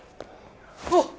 あっ！